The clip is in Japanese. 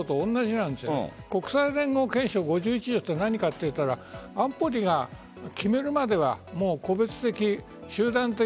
国際連合憲章５１条何かと言ったら安保理が決めるまでは個別的集団的